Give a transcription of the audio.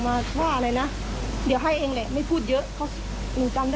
มันเป็นเพียงการยืมเงินคนรู้จักกัน